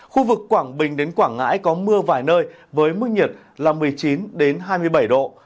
khu vực quảng bình đến quảng ngãi có mưa vài nơi với mức nhiệt là một mươi chín hai mươi bảy độ